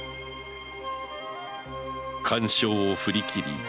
感傷を振り切り